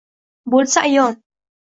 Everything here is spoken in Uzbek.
Bo’lsa ayon